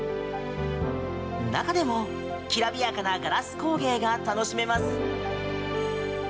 中でもきらびやかなガラス工芸が楽しめます。